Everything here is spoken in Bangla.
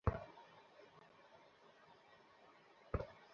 ফলে তিনি তা টেনে নেন।